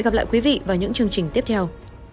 hẹn gặp lại quý vị vào những chương trình tiếp theo